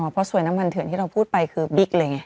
เพราะสวยน้ำมันเถื่อนที่เราพูดไปคือบิ๊กเลยไง